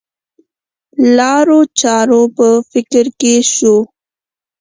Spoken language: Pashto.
لارو چارو په فکر کې شو.